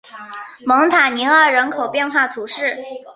蒙塔尼厄人口变化图示